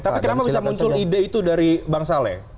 tapi kenapa bisa muncul ide itu dari bangsa lain